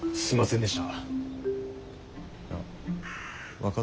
すいません。